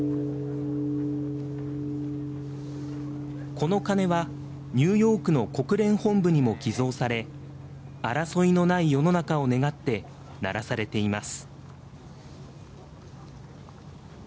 この鐘はニューヨークの国連本部にも寄贈され争いのない世の中を願って鳴らされています。